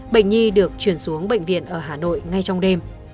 bệnh nhi được chuyển xuống bệnh viện ở hà nội ngay trong đêm